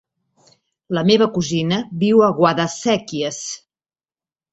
La meva cosina viu a Guadasséquies.